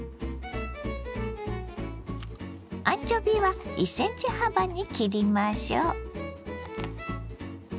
アンチョビは１ｃｍ幅に切りましょ。